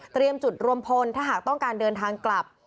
จุดรวมพลถ้าหากต้องการเดินทางกลับ